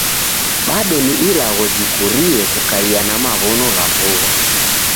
Bado ni ilagho jikurie kukaia na maw'ono gha bugha.